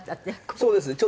そうですね。